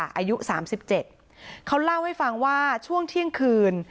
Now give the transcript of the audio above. อายุสามสิบเจ็ดเขาเล่าให้ฟังว่าช่วงเที่ยงคืน